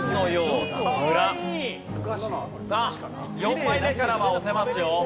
さあ４枚目からは押せますよ。